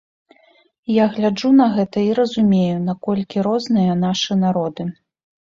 Я гляджу на гэта і разумею, наколькі розныя нашы народы.